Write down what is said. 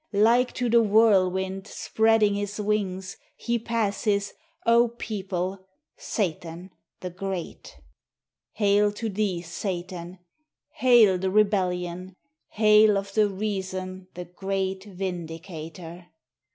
Like to the whirlwind Spreading his wings,... He passes, O people, Satan the great! Hail to thee, Satan; Hail the rebellion! Hail, of the reason the Great Vindicator!